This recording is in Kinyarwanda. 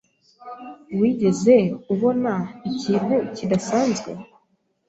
Wigeze ubona ikintu kidasanzwe?